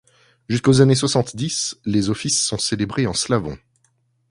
Jusqu'aux années soixante-dix, les offices sont célébrés en slavon.